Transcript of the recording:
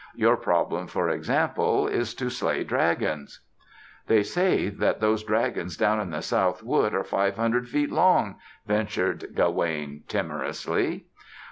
Your problem, for example, is to slay dragons." "They say that those dragons down in the south wood are five hundred feet long," ventured Gawaine, timorously.